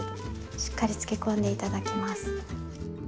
しっかり漬けこんで頂きます。